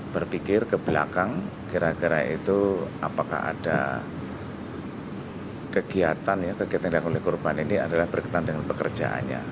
berpikir ke belakang kira kira itu apakah ada kegiatan ya kegiatan yang dilakukan oleh korban ini adalah berkaitan dengan pekerjaannya